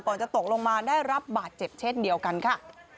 จะตกลงมาได้รับบาดเจ็บเช่นเดียวกันค่ะ